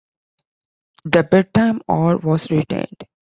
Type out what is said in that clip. The Bedtime Hour was retained.